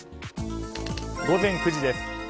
午前９時です。